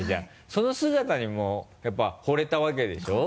その姿にもうやっぱほれたわけでしょ？